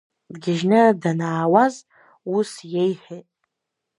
Дгьежьны данаауаз, ус иеиҳәет…